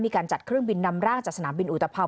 มีการจัดเครื่องบินนำร่างจากสนามบินอุตภัว